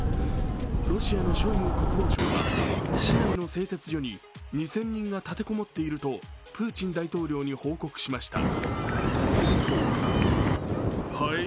ロシアのショイグ国防相は市内の製鉄所に２０００人が立て籠もっているとプーチン大統領に報告しました。